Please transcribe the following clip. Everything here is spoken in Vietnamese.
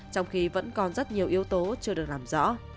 trong khi vẫn còn rất nhiều yếu tố chưa được làm rõ